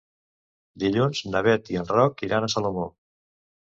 Dilluns na Beth i en Roc iran a Salomó.